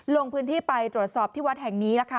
ลงพื้นที่ไปตรวจสอบที่วัดแห่งนี้ล่ะค่ะ